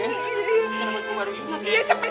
assalamualaikum warahmatullahi wabarakatuh